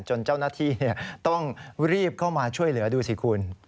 เจ้าหน้าที่ต้องรีบเข้ามาช่วยเหลือดูสิคุณ